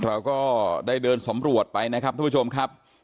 เราก็ได้เดินสำรวจไปนะครับทุกผู้ชมครับ